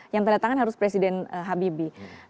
yang terletakkan harus presiden habibie